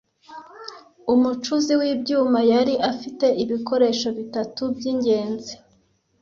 Umucuzi w'ibyuma yari afite ibikoresho bitatu by'ingenzi: